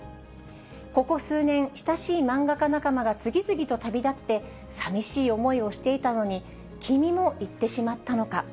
ここ数年、親しい漫画家仲間が次々と旅立って、さみしい思いをしていたのに、君も逝ってしまったのか。